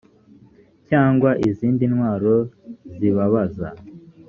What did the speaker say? cyangwa izindi ntwaro zibabaza